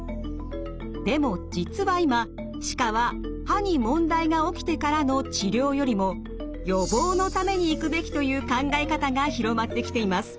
でも実は今歯科は歯に問題が起きてからの治療よりも予防のために行くべきという考え方が広まってきています。